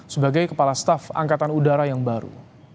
sebagai kepala staf angkatan udara yang baru